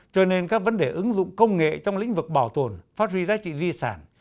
cho nên các vấn đề ứng dụng công nghệ trong lĩnh vực bảo tồn phát huy giá trị di sản